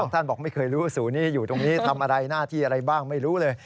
ท่านบอกไม่เคยรู้ว่าศูนย์นี้อยู่ตรงนี้ทำอะไรหน้าที่อะไรบ้างไม่รู้เลย